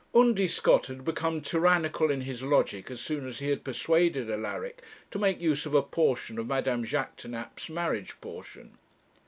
Undy Scott had become tyrannical in his logic as soon as he had persuaded Alaric to make use of a portion of Madame Jaquêtanàpe's marriage portion.